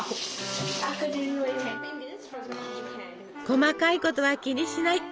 細かいことは気にしない！